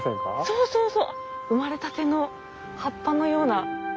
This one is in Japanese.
そうそうそう生まれたての葉っぱのような。